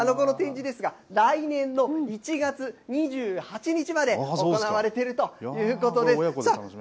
この展示ですが、来年の１月２８日まで行われているということです。